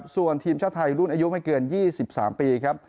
ส่วนทีมชาติไทยรุ่นอายุไม่เกิน๒๓ปีครับ